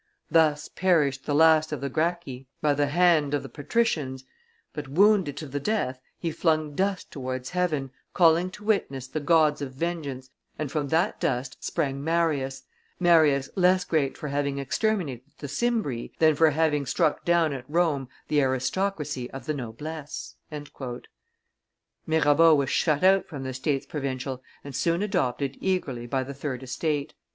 Thus perished the last of the Gracchi, by the hand of the patricians; but, wounded to the death, he flung dust towards heaven, calling to witness the gods of vengeance, and from that dust sprang Marius, Marius less great for having exterminated the Cimbri than for having struck down at Rome the aristocracy of the noblesse." Mirabeau was shut out from the states provincial and soon adopted eagerly by the third estate.